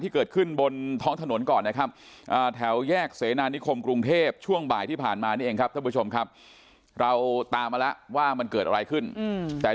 เกิดขึ้นบนท้องถนนก่อนนะครับแถวแยกเซนานิคมกรุงเทพช่วงบ่ายที่ผ่านมาเสียงแบบนั้นที่เกิดออกมา